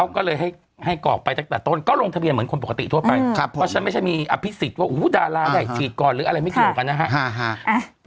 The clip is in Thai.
ก็เลยให้กรอกไปตั้งแต่ต้นก็ลงทะเบียนเหมือนคนปกติทั่วไปเพราะฉะนั้นไม่ใช่มีอภิษฎว่าดาราได้ฉีดก่อนหรืออะไรไม่เกี่ยวกันนะฮะ